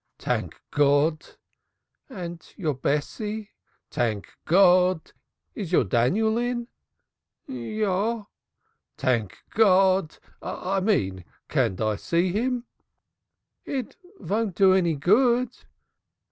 "Tank Gawd!" "And your Bessie?" "Tank Gawd! Is your Daniel in?" "Yes." "Tank Gawd! I mean, can I see him?" "It won't do any good."